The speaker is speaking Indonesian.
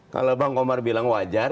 kalau bang komar bilang wajar